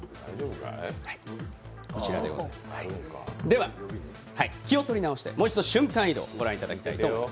では、気を取り直してもう一度瞬間移動をご覧いただきたいと思います。